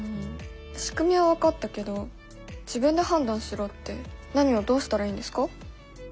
しくみは分かったけど自分で判断しろって何をどうしたらいいんですか？